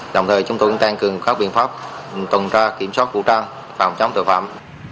đồng thời chúng tôi đang tăng cường các biện pháp tổng ra kiểm soát vũ trang phòng chống tội phạm